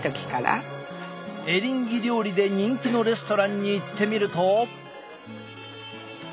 エリンギ料理で人気のレストランに行ってみると。